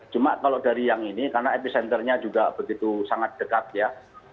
cuma kalau dari yang ini karena epicenternya juga begitu sangat dekat ya